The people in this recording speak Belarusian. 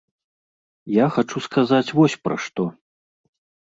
Я хачу сказаць вось пра што.